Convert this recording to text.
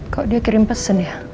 kok dia kirim pesan ya